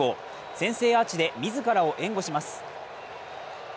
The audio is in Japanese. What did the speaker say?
先制アーチで自らを援護します。